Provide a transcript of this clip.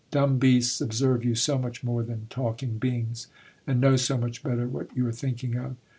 Dumb beasts observe you so much more than talking beings; and know so much better what you are thinking of....